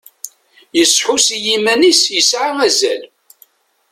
Yesḥus i yiman-is yesɛa azal.